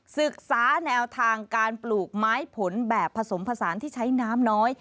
ศึกษาแนวทางการปลูกไม้ผลแบบผสมผสานที่ใช้น้ำน้อย